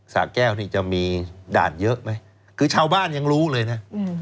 สะแก้วนี่จะมีด่านเยอะไหมคือชาวบ้านยังรู้เลยนะ